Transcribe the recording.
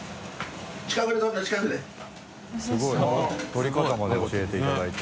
撮り方まで教えていただいて。